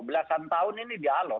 belasan tahun ini dialog